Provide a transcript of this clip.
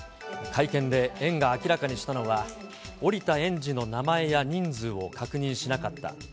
会見で園が明らかにしたのが、降りた園児の名前や人数を確認しなかった。